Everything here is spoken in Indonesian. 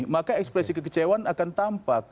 maka ekspresi kekecewaan akan tampak